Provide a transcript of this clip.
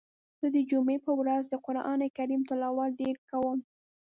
زه د جمعی په ورځ د قرآن کریم تلاوت ډیر کوم.